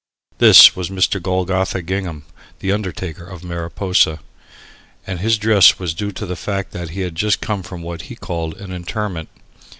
This was Mr. Golgotha Gingham, the undertaker of Mariposa, and his dress was due to the fact that he had just come from what he called an "interment."